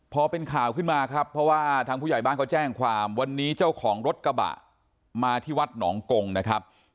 พอเป็นข่าวขึ้นมาครับเพราะว่าทางผู้ใหญ่บ้านเขาแจ้งความวันนี้เจ้าของรถกระบะมาที่วัดหนองกงนะครับ